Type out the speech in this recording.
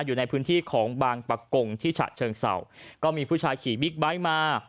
อยู่ในพื้นที่ของบางปะกงที่ฉะเชิงเศร้าก็มีผู้ชายขี่บิ๊กไบท์มา